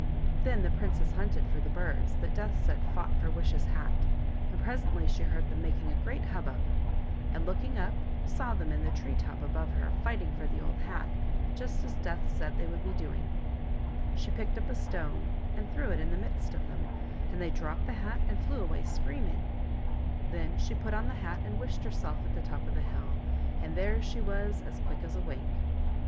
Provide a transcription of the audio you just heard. Then the princess hunted for the birds that Death said fought for Wish's hat, and presently she heard them making a great hubbub, and, looking up, saw them in the tree top above her, fighting for the old hat, just as Death said they would be doing. She picked up a stone and threw it in the midst of them« and they drojoped the hat and flew away screaming. 74 PRINCESS GOLDEN HAIR AND THE GREAT BLACK RAVEN. Then she put on the hat and wished herself at the top of the hill, and there she was as quick as a wink.